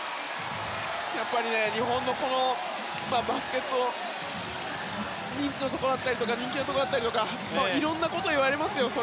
やっぱり日本のバスケット認知のことだったり人気のことだったりとかいろんなことを言われますよ。